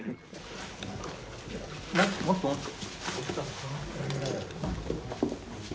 もっともっと。